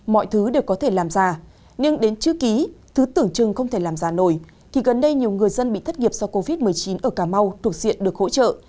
mọi thứ đều có thể làm ra nhưng đến chưa ký thứ tưởng chừng không thể làm giả nổi thì gần đây nhiều người dân bị thất nghiệp do covid một mươi chín ở cà mau thuộc diện được hỗ trợ